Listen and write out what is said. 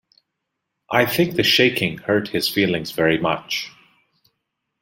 I think the shaking hurt his feelings very much.